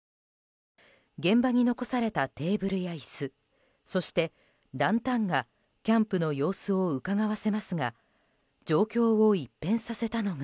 現場に残されたテーブルや椅子そして、ランタンがキャンプの様子をうかがわせますが状況を一変させたのが。